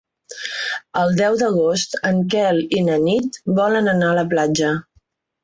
El deu d'agost en Quel i na Nit volen anar a la platja.